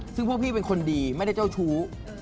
ซึ่งพวกพี่เป็นคนดีไม่ได้เจ้าชู้